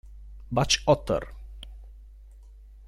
Butch Otter